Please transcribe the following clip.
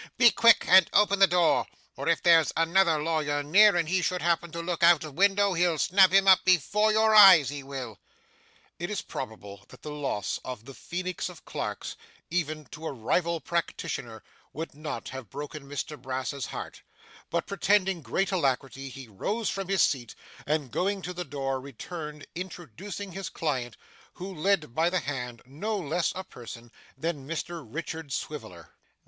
Be quick and open the door, or if there's another lawyer near and he should happen to look out of window, he'll snap him up before your eyes, he will.' It is probable that the loss of the phoenix of clerks, even to a rival practitioner, would not have broken Mr Brass's heart; but, pretending great alacrity, he rose from his seat, and going to the door, returned, introducing his client, who led by the hand no less a person than Mr Richard Swiveller.